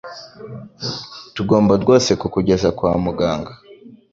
Tugomba rwose kukugeza kwa muganga.